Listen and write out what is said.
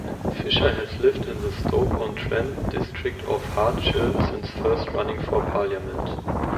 Fisher has lived in the Stoke-on-Trent district of Hartshill since first running for Parliament.